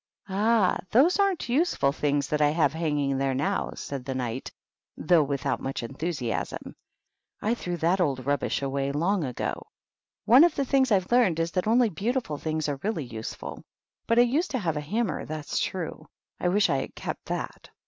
"Ah! those aren't useful things that I have hanging there now," said the Knight, though without much enthusiasm. "I threw that old rubbish away long ago. One of the things I've learned is that only beautiful things are really useful. But I used to have a hammer, that's true. I wish I had kept that."